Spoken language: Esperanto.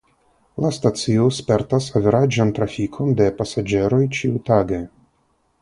La stacio spertas averaĝan trafikon de pasaĝeroj ĉiutage.